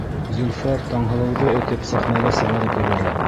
Зөлфәр Таңһылыуҙы этеп сәхнәгә сығарып ебәрә.